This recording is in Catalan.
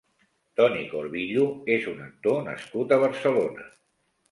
Tony Corvillo és un actor nascut a Barcelona.